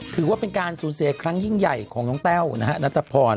ถือว่าเป็นการสูญเสียครั้งยิ่งใหญ่ของน้องแต้วนะฮะนัทพร